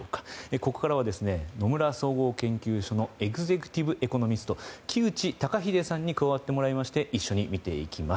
ここからは野村総合研究所のエグゼクティブ・エコノミスト木内登英さんに加わってもらいまして一緒に見ていきます。